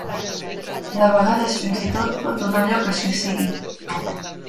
De vegades, fins i tot, pot donar lloc al suïcidi.